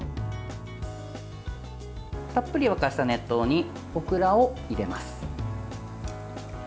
たっぷり沸かした熱湯にオクラを入れます。